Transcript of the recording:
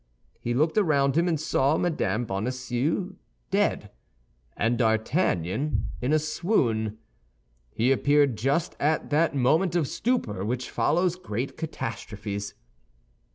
He looked around him and saw Mme. Bonacieux dead, and D'Artagnan in a swoon. He appeared just at that moment of stupor which follows great catastrophes.